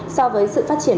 so với sự phát triển